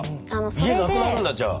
家なくなるんだじゃあ。